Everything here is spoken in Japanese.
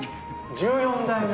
１４代目。